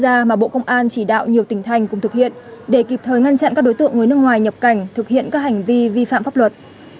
chuyên án đánh bạc xuyên quốc gia mà bộ công an chỉ đạo nhiều tỉnh thành cùng thực hiện để kịp thời ngăn chặn các đối tượng người nước ngoài nhập cảnh thực hiện các hành vi vi phạm pháp luật